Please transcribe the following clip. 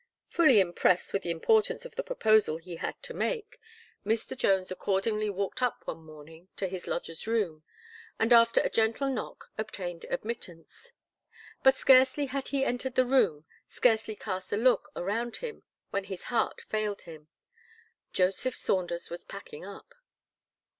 '" Fully impressed with the importance of the proposal he had to make, Mr. Jones accordingly walked up one morning to his lodger's room; and after a gentle knock, obtained admittance. But scarcely had he entered the room, scarcely cast a look around him, when his heart failed him, Joseph Saunders was packing up.